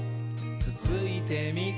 つついてみ？」